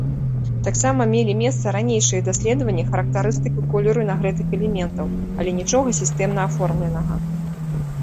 Таксама мелі месца ранейшыя даследванні характарыстыкі колеру нагрэтых элементаў, але нічога сістэмна аформленага.